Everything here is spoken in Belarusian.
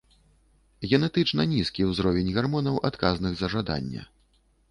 Генетычна нізкі ўзровень гармонаў, адказных за жаданне.